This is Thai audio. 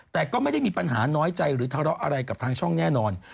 แต่ก็ไม่ได้มีปัญหาน้อยใจหรือทะเลาะอะไรกับทางช่องแน่นอน